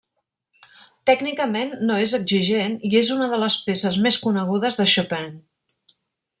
Tècnicament no és exigent i és una de les peces més conegudes de Chopin.